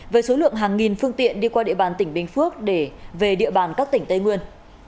với số lượng hàng nghìn phương tiện đi qua địa bàn tỉnh bình phước để về địa bàn các tỉnh tây nguyên